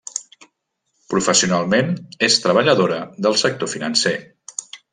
Professionalment, és treballadora del sector financer.